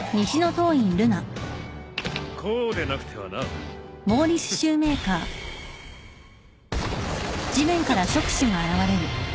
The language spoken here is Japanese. こうでなくてはな。あっ！？